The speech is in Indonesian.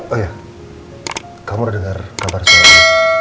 oh ya kamu ada dengar kabar suaramel gak